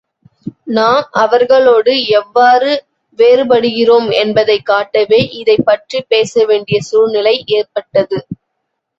நாம் அவர்களோடு எவ்வாறு, வேறுபடுகிறோம் என்பதைக் காட்டவே இதைப் பற்றிப் பேசவேண்டிய சூழ்நிலை ஏற்பட்டது.